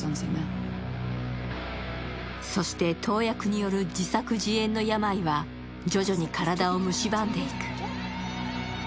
そして投薬による自作自演の病は徐々に体をむしばんでいく。